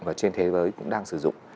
và trên thế giới cũng đang sử dụng